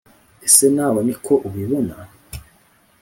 Ese nawe ni ko ubibona?